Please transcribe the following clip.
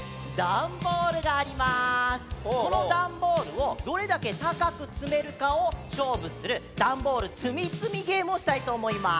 このだんボールをどれだけたかくつめるかをしょうぶするだんボールつみつみゲームをしたいとおもいます。